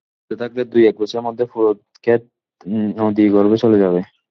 এটি চলতে থাকলে দু-এক বছরের মধ্যে পুরো খেত নদীগর্ভে চলে যাবে।